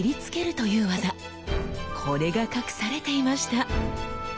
これが隠されていました。